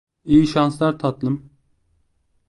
İyi şanslar, tatlım.